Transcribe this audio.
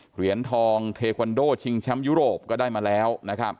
เหรียญทองเทควันโดชิงแชมป์ยุโรปก็ได้มาแล้วนะครับ